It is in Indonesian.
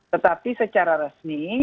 tetapi secara resmi